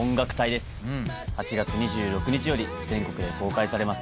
８月２６日より全国で公開されます。